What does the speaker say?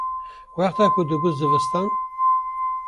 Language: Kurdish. wexta ku dibû zivistan